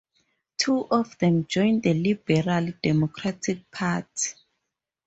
Two of them joined the Liberal Democratic Party.